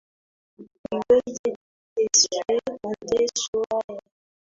Iweje tuteswe mateso haya